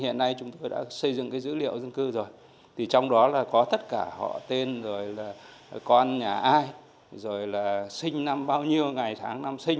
thế thì bây giờ chúng tôi đã xây dựng cái dữ liệu dân cư rồi thì trong đó là có tất cả họ tên rồi là con nhà ai rồi là sinh năm bao nhiêu ngày tháng năm sáng